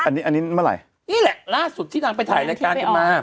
อันนี้เมื่อไหรเลยนี่แหละล่าสุดที่นางไปถ่ายนะ